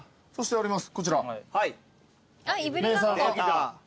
あります。